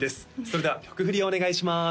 それでは曲振りお願いします